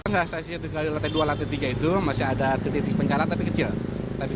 saya sisi di lantai dua dan tiga itu masih ada titik pencarat tapi kecil